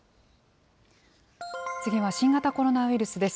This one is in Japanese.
次は新型コロナウイルスです。